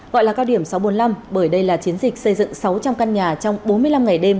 gọi là cao điểm sáu trăm bốn mươi năm bởi đây là chiến dịch xây dựng sáu trăm linh căn nhà trong bốn mươi năm ngày đêm